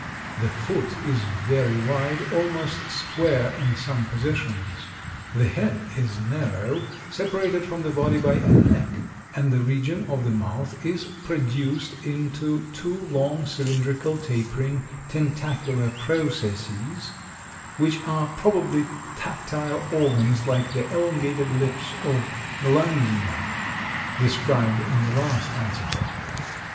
The foot is very wide, almost square in some positions; the head is narrow, separated from the body by a neck and the region of the mouth is produced into two long, cylindrical, tapering, tentacular processes, which are probably tactile organs like the elongated lips of Glandina, described in the last article.